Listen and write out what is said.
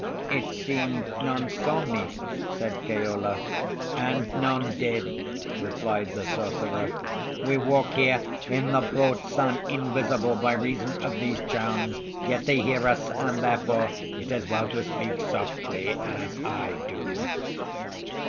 "It seemed none saw me," said Keola. "And none did," replied the sorcerer. "We walk here in the broad sun invisible by reason of these charms. Yet they hear us; and therefore it is well to speak softly, as I do."